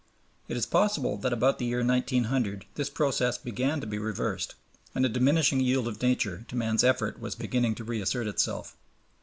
It is possible that about the year 1900 this process began to be reversed, and a diminishing yield of Nature to man's effort was beginning to reassert itself.